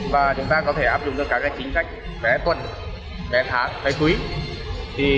và chúng ta có thể áp dụng được các chính sách vé tuần vé tháng vé cuối